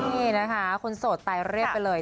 นี่นะคะคนโสดตายเรียบไปเลย